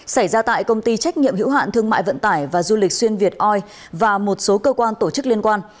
xảy ra tại công ty trách nhiệm hữu hạn thương mại vận tải và du lịch xuyên việt oi và một số cơ quan tổ chức liên quan